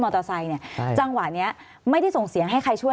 มอเตอร์ไซค์เนี่ยจังหวะเนี้ยไม่ได้ส่งเสียงให้ใครช่วย